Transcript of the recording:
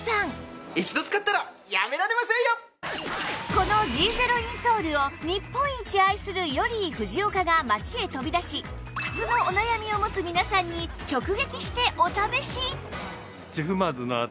この Ｇ ゼロインソールを日本一愛するヨリー・フジオカが街へ飛び出し靴のお悩みを持つ皆さんに直撃してお試し！